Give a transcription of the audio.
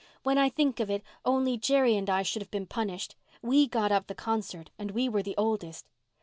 "When I think of it, only Jerry and I should have been punished. We got up the concert and we were the oldest."